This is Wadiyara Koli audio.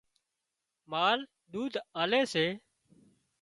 مال ۮُوڌ آلي سي